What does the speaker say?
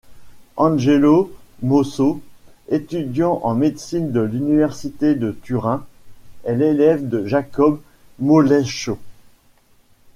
Angelo Mosso, étudiant en médecine à l'Université de Turin, est l'élève de Jacob Moleschott.